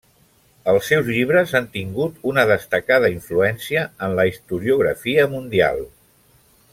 Els seus llibres han tingut una destacada influència en la historiografia mundial.